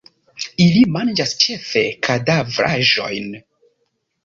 Ili manĝas ĉefe kadavraĵojn.